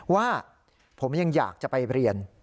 ว่าผมยังอยากจะไปเรียน